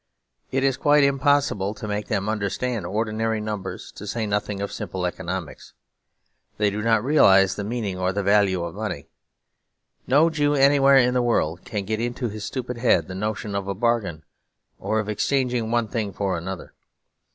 It is quite impossible to make them understand ordinary numbers, to say nothing of simple economics. They do not realise the meaning or the value of money. No Jew anywhere in the world can get into his stupid head the notion of a bargain, or of exchanging one thing for another.